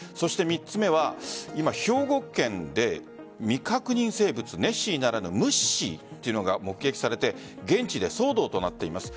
３つ目は今、兵庫県で未確認生物ネッシーならぬムッシーが目撃されて現地で騒動となっています。